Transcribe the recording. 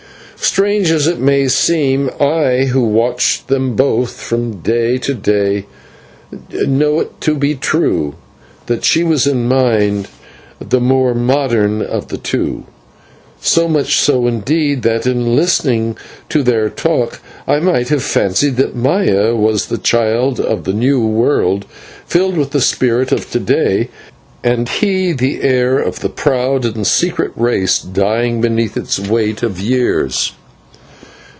Strange as it may seem, I, who watched them both from day to day, know it to be true that she was in mind the more modern of the two so much so, indeed, that, in listening to their talk, I might have fancied that Maya was the child of the New World, filled with the spirit of to day, and he the heir of a proud and secret race dying beneath its weight of years.